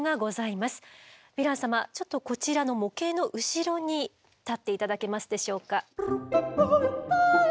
ちょっとこちらの模型の後ろに立って頂けますでしょうか。